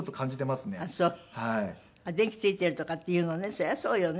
そりゃそうよね。